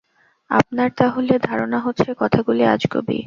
আপনার তাহলে ধারণা হচ্ছে কথাগুলি আজগুবি?